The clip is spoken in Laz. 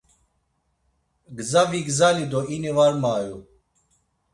Gza vigzali do ini var mayu.